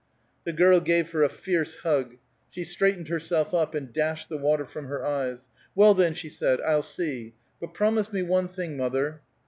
The girl gave her a fierce hug; she straightened herself up, and dashed the water from her eyes. "Well, then," she said, "I'll see. But promise me one thing, mother."